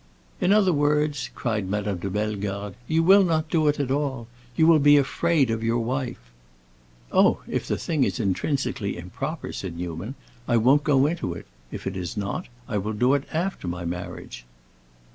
"In other words," cried Madame de Bellegarde, "you will not do it at all. You will be afraid of your wife." "Oh, if the thing is intrinsically improper," said Newman, "I won't go into it. If it is not, I will do it after my marriage."